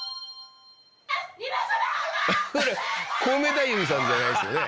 コウメ太夫さんじゃないですよね？